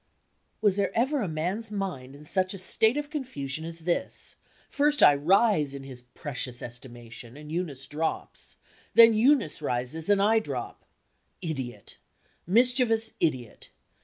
(Was there ever a man's mind in such a state of confusion as this! First, I rise in his precious estimation, and Eunice drops. Then Eunice rises, and I drop. Idiot! Mischievous idiot!